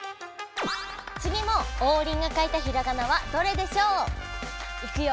つぎもオウリンが書いたひらがなはどれでしょう？いくよ。